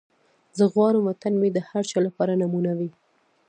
زه غواړم وطن مې د هر چا لپاره نمونه وي.